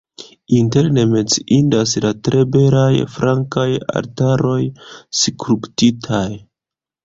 Interne menciindas la tre belaj flankaj altaroj skulptitaj.